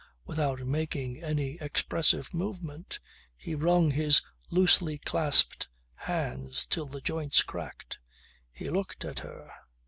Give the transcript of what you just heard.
Without making any expressive movement he wrung his loosely clasped hands till the joints cracked. He looked at her.